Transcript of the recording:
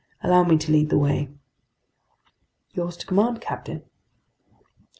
Allow me to lead the way." "Yours to command, captain."